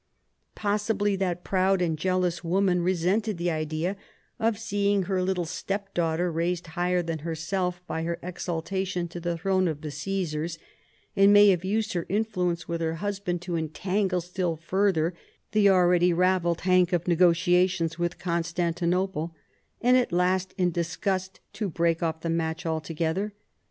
Possibly that proud and jealous woman resented the idea of seeing her little step daughter raised higher than herself by her exaltation to the throne of the Csesars, and may have used her influence with her husband to en tangle still further the already ravelled hank of the negotiations with Constantinople, and at last in disgust to break off the match altogether